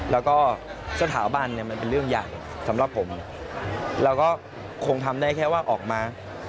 แล้วก็สถาบันเนี่ยมันเป็นเรื่องใหญ่สำหรับผมเราก็คงทำได้แค่ว่าออกมา